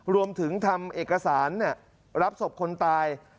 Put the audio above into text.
รวมถึงทำเอกสารรับศพคนตาย